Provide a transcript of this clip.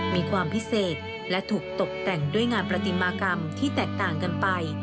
มีความพิเศษและถูกตกแต่งด้วยงานประติมากรรมที่แตกต่างกันไป